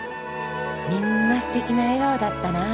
みんなすてきな笑顔だったなぁ。